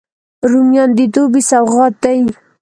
رومیان د دوبي سوغات دي